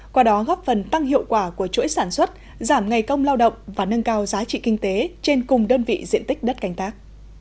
qua đó góp phần tăng hiệu quả của chuỗi sản xuất giảm ngày công lao động và nâng cao giá trị kinh tế trên cùng đơn vị diện tích đất canh tác